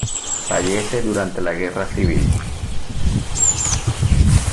Fallece durante la Guerra Civil.